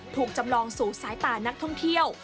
ถูกจำลองสู่สายตานักท่องเที่ยว